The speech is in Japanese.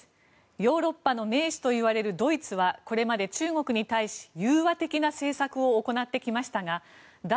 ヨーロッパの盟主といわれるドイツはこれまで中国に対し融和的な政策を行ってきましたが脱